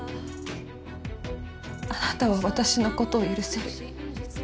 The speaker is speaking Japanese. あなたは私のことを許せる？